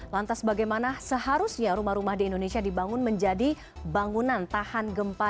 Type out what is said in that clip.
lantas bagaimana seharusnya rumah rumah di indonesia dibangun menjadi bangunan tahan gempa